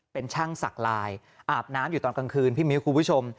เป็นช่างสักลายอาบน้ำอยู่ตอนกลางคืนพี่มิ้วคุณผู้ชม